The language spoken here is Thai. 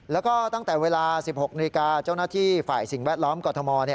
แล้วก็ตั้งแต่เวลา๑๖นาฬิกาเจ้าหน้าที่ฝ่ายสิ่งแวดล้อมกรทม